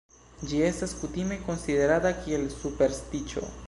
Ĝi estas kutime konsiderata kiel superstiĉo.